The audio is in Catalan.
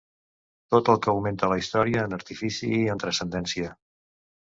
Tot el que augmenta la història en artifici i en transcendència.